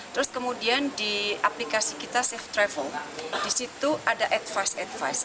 terus kemudian di aplikasi kita safe travel di situ ada advice advice